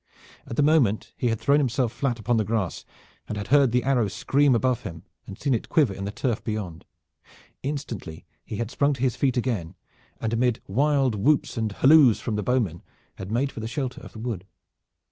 At the moment he had thrown himself flat upon the grass and had heard the arrow scream above him, and seen it quiver in the turf beyond. Instantly he had sprung to his feet again and amid wild whoops and halloos from the bowmen had made for the shelter of the wood.